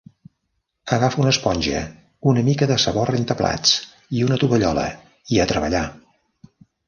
Agafa una esponja, una mica de sabó rentaplats i una tovallola, i a treballar!